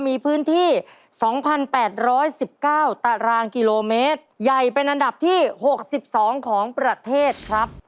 มีพื้นที่สองพันแปดร้อยสิบเก้าตราลางกิโลเมตรใหญ่เป็นอันดับที่หกสิบสองของประเทศครับ